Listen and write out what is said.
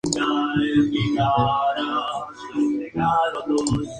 Las letras fueron escritas por Álvaro, en conjunto con Martina Lecaros.